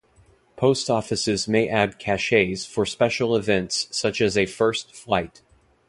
Post offices may add cachets for special events such as a first flight.